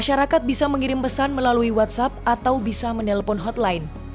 masyarakat bisa mengirim pesan melalui whatsapp atau bisa menelpon hotline